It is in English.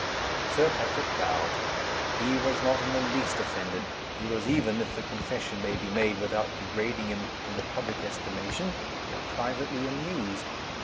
Sir Patrick bowed. He was not in the least offended; he was even (if the confession may be made without degrading him in the public estimation) privately amused.